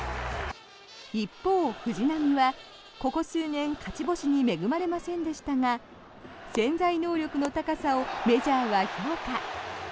一方、藤浪はここ数年勝ち星に恵まれませんでしたが潜在能力の高さをメジャーは評価。